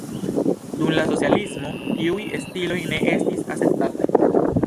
Dum la socialismo tiuj stiloj ne estis akceptataj.